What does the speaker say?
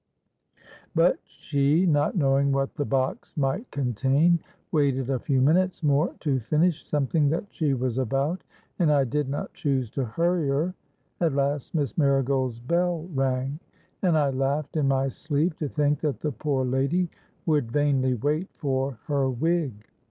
But she, not knowing what the box might contain, waited a few minutes more to finish something that she was about; and I did not choose to hurry her. At last Miss Marigold's bell rang; and I laughed in my sleeve to think that the poor lady would vainly wait for her wig.